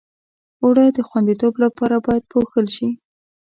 اوړه د خوندیتوب لپاره باید پوښل شي